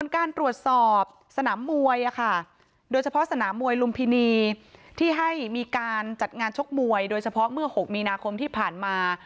การตรวจสอบสนามมวยโดยเฉพาะสนามมวยลุมพินีที่ให้มีการจัดงานชกมวยโดยเฉพาะเมื่อ๖มีนาคมที่ผ่านมา